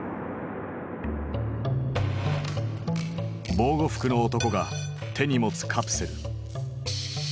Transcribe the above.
防護服の男が手に持つカプセル。